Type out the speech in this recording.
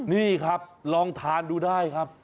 นี่ครับลองทานดูได้ครับ